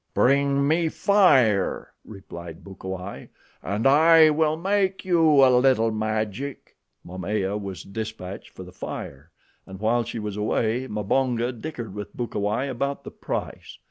"Bring me fire," replied Bukawai, "and I will make you a little magic." Momaya was dispatched for the fire, and while she was away Mbonga dickered with Bukawai about the price.